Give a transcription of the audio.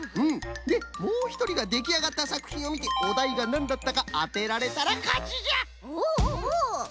でもうひとりができあがったさくひんをみておだいがなんだったかあてられたらかちじゃ。